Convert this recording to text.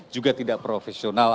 juga tidak profesional